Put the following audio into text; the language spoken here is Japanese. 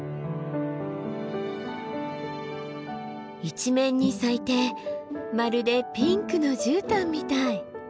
一面に咲いてまるでピンクの絨毯みたい。